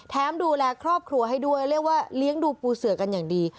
ดูแลครอบครัวให้ด้วยเรียกว่าเลี้ยงดูปูเสือกันอย่างดี